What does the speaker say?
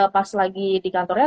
pas lagi di kantornya